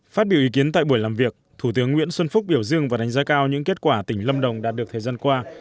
phát biểu ý kiến tại buổi làm việc thủ tướng nguyễn xuân phúc biểu dương và đánh giá cao những kết quả tỉnh lâm đồng đạt được thời gian qua